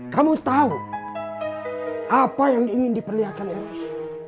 kamu tahu apa yang ingin diperlihatkan eros